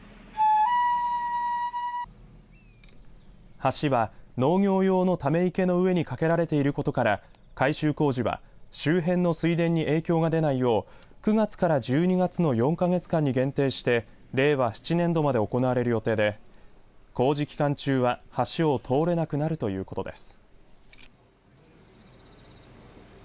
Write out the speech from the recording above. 橋は農業用のため池の上にかけられていることから改修工事は周辺の水田に影響が出ないよう９月から１２月の４か月間に限定して令和７年度まで行われる予定で工事期間中は橋を通れなくなるということです。